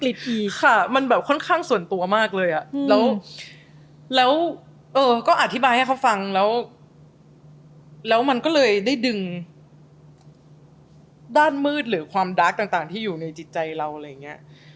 แล้วก็อธิบายให้เขาฟังแล้วแล้วมันก็เลยได้ดึงด้านมืดหรือความดาร์คต่างที่อยู่ในจิตใจเราอะไรอย่างเงี้ย